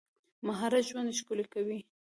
مهارت ژوند ښکلی کوي.